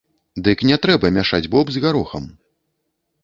Дык не трэба мяшаць боб з гарохам.